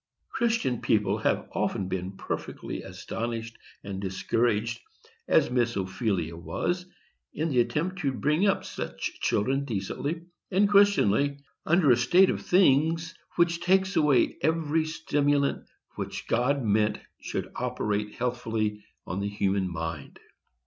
Christian people have often been perfectly astonished and discouraged, as Miss Ophelia was, in the attempt to bring up such children decently and Christianly, under a state of things which takes away every stimulant which God meant should operate healthfully on the human mind.